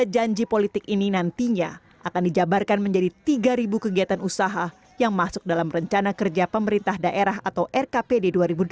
tiga janji politik ini nantinya akan dijabarkan menjadi tiga kegiatan usaha yang masuk dalam rencana kerja pemerintah daerah atau rkpd dua ribu delapan belas